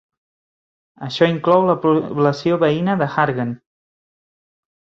Això inclou la població veïna de Hargen.